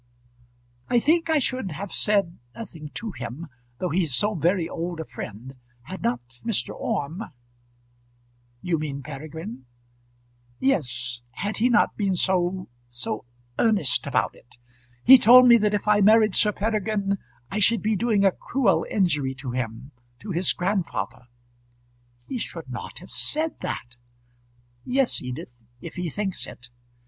"I think I should have said nothing to him, though he is so very old a friend, had not Mr. Orme " "You mean Peregrine?" "Yes; had not he been so so earnest about it. He told me that if I married Sir Peregrine I should be doing a cruel injury to him to his grandfather." "He should not have said that." "Yes, Edith, if he thinks it.